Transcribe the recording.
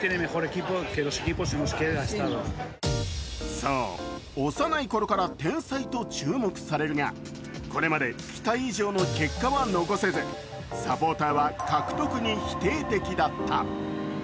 そう、幼いころから天才と注目されるが、これまで期待以上の結果は残せず、サポーターは獲得に否定的だった。